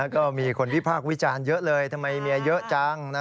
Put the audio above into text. ก็มีคนวิพากษ์วิจารณ์เยอะเลยทำไมเมียเยอะจัง